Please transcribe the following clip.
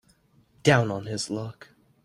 Down on his luck.